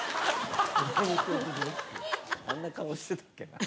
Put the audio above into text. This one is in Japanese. あんな顔してたっけな。